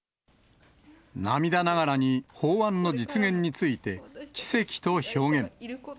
涙ながらに法案の実現について、奇跡と表現。